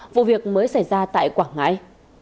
vụ việc mới xảy ra tại quảng ngãi